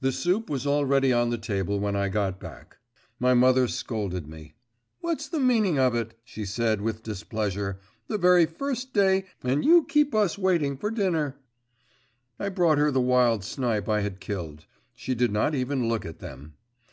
The soup was already on the table when I got back. My mother scolded me. 'What's the meaning of it?' she said with displeasure; 'the very first day, and you keep us waiting for dinner.' I brought her the wild snipe I had killed; she did not even look at them.